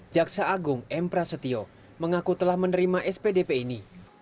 jaksa agung empra setio mengaku telah menerima spdp ini